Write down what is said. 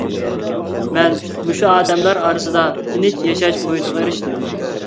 مەن مۇشۇ ئادەملەر ئارىسىدا تىنچ ياشاش مۇھىتىغا ئېرىشتىم.